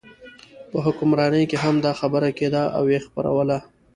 په حکمرانۍ کې هم دا خبره کېده او یې خپروله.